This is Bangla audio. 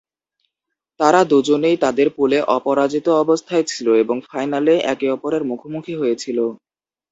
তারা দুজনেই তাদের পুলে অপরাজিত অবস্থায় ছিল এবং ফাইনালে একে অপরের মুখোমুখি হয়েছিল।